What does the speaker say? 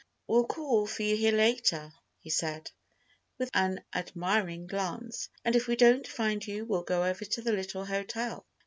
"We'll call for you here later," he said; with an admiring glance, "and if we don't find you we'll go over to the little hotel.